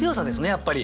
やっぱり。